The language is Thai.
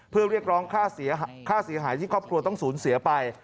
เพื่อเรียกร้องค่าเสียหายที่ครอบครัวต้องสูญเสียไป